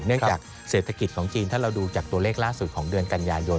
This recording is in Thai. จากเศรษฐกิจของจีนถ้าเราดูจากตัวเลขล่าสุดของเดือนกันยายน